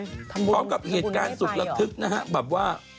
ทำบุญให้ไปหรอพร้อมกับเหตุการณ์สุขระทึกนะฮะแบบว่า